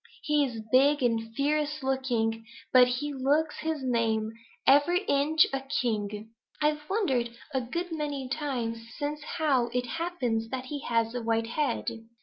He is big and fierce looking, but he looks his name, every inch a king. I've wondered a good many times since how it happens that he has a white head."